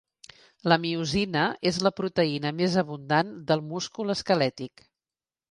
La miosina és la proteïna més abundant del múscul esquelètic.